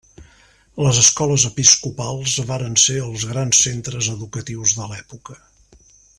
Les escoles episcopals varen ser els grans centres educatius de l'època.